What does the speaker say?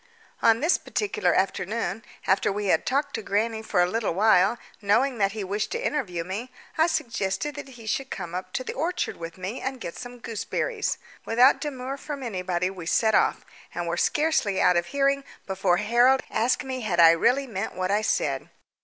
On this particular afternoon, after we had talked to grannie for a little while, knowing that he wished to interview me, I suggested that he should come up the orchard with me and get some gooseberries. Without demur from anybody we set off, and were scarcely out of hearing before Harold asked me had I really meant what I said.